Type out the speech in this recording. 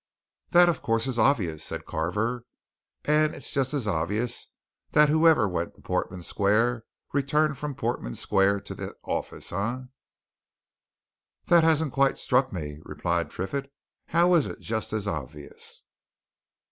"That, of course, is obvious," said Carver. "And it's just as obvious that whoever went to Portman Square returned from Portman Square to that office. Eh?" "That hasn't quite struck me," replied Triffitt. "How is it just as obvious?"